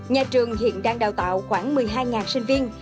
nhà trường hiện đang đào tạo khoảng một mươi hai sinh viên